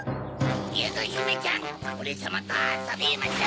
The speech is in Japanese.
ゆずひめちゃんオレさまとあそびましょ！